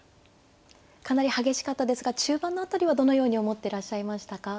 かなり激しかったですが中盤の辺りはどのように思ってらっしゃいましたか。